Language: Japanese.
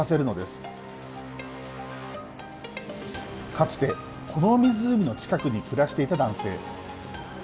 かつてこの湖の近くに暮らしていた男性。